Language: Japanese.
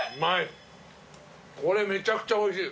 これめちゃくちゃおいしい。